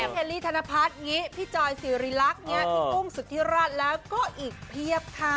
แฮลลี่ธนพัฒน์พี่จอยซีรีลักษณ์พี่กุ้งสุธิรัสแล้วก็อีกเทียบค่ะ